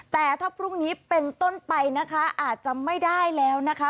แต่ถ้าพรุ่งนี้เป็นต้นไปนะคะอาจจะไม่ได้แล้วนะคะ